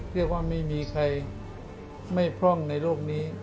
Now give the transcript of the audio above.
เรียกว่าไม่มีใครไม่พร่องในโลกนี้